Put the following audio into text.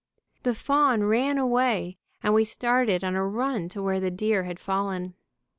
The fawn ran away, and we started on a run to where the 'deer had fallen.